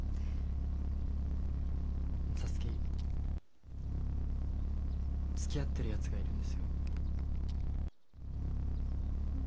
皐月つきあってるやつがいるんですよ。